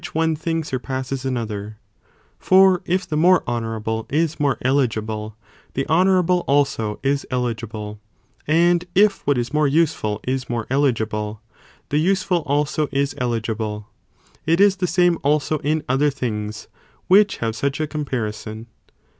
one thing surpasses another, For if the more Be ent "honourable is more eligible, the honourable also tia ade is eligible, and if what is more useful is more ' eligible, the useful also is eligible, it is the same also in other things which have such a comparison.